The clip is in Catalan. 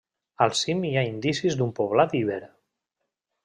Al cim hi ha indicis d'un poblat iber.